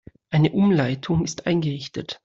Eine Umleitung ist eingerichtet.